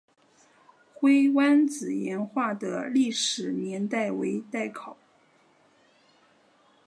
灰湾子岩画的历史年代为待考。